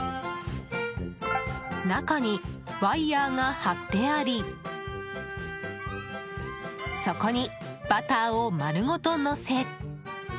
中にワイヤが張ってありそこにバターを丸ごとのせ。